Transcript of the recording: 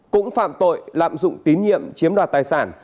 cũng phạm tội lạm dụng tín nhiệm chiếm đoạt tài sản